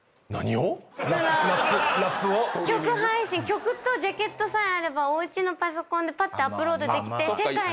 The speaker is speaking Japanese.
曲とジャケットさえあればおうちのパソコンでぱってアップロードできて世界に。